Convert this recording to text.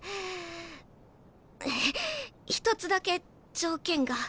一つだけ条件が。